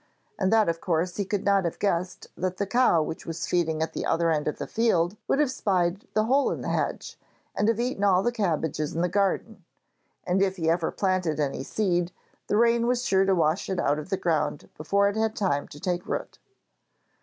And that of course he could not have guessed that the cow which was feeding at the other end of the field would have spied the hole in the hedge, and have eaten all the cabbages in the garden; and if ever he planted any seed, the rain was sure to wash it out of the ground before it had time to take root.